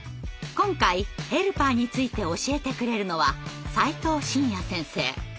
今回ヘルパーについて教えてくれるのは齋藤信弥先生。